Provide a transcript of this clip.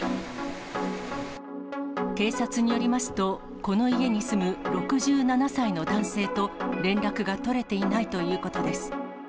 警察によりますと、この家に住む６７歳の男性と連絡が取れていないということです。